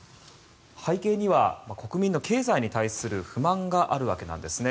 背景には国民の経済に対する不満があるわけなんですね。